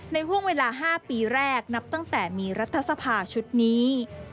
ห่วงเวลา๕ปีแรกนับตั้งแต่มีรัฐสภาชุดนี้